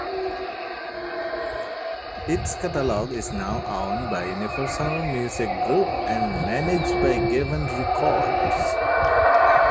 Its catalog is now owned by Universal Music Group and managed by Geffen Records.